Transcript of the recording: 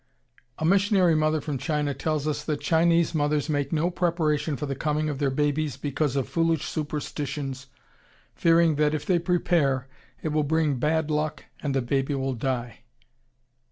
A missionary mother from China tells us that Chinese mothers make no preparation for the coming of their babies because of foolish superstitions, fearing that, if they prepare, it will bring bad luck and the baby will die.